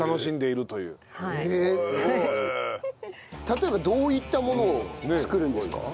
例えばどういったものを作るんですか？